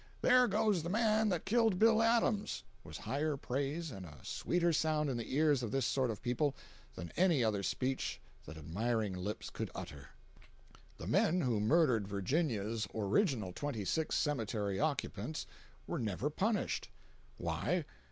"There goes the man that killed Bill Adams" was higher praise and a sweeter sound in the ears of this sort of people than any other speech that admiring lips could utter. 340.jpg (115K) The men who murdered Virginia's original twenty six cemetery occupants were never punished. Why?